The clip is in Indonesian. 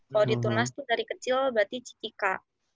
kalau ditunas tuh dari kecil berarti cik ika